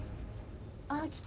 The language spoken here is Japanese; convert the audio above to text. あっ来た。